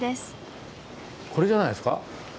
これじゃないですか？